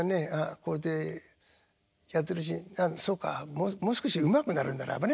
これでやってるうちそうかもう少しうまくなるんならばね